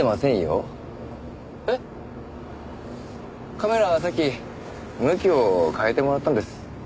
カメラはさっき向きを変えてもらったんです。